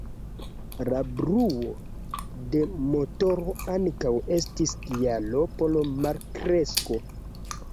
La bruo de motoro ankaŭ estis kialo por malkresko.